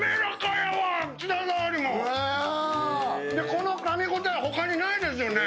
このかみ応えほかにないですよね。